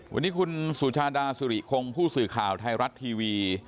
วันนี้คุณสุชาดาสุริคงผู้สื่อข่าวไทยรัฐทีวี